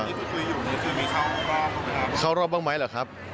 มีทุกคนอยู่มีช่วยมีเช่าบ้างหรือเปล่าครับ